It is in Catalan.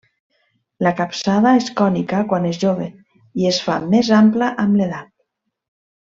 La capçada és cònica quan és jove i es fa més ampla amb l'edat.